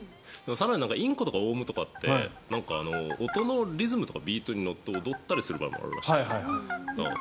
インコとかオウムって音のリズムとかビートに乗って踊ったりする場合もあるらしいって。